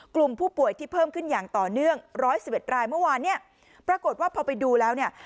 กลุ่มผู้ป่วยที่เพิ่มขึ้นอย่างต่อเนื่องร้อยสิบเอ็ดรายเมื่อวานเนี่ยปรากฏว่าพอไปดูแล้วเนี่ย